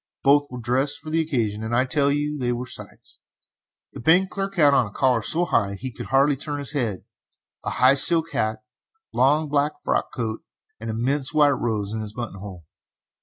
Both were dressed for the occasion, and I tell you they were sights! The bank clerk had on a collar so high that he could hardly turn his head, a high silk hat, long black frock coat, and an immense white rose in his buttonhole.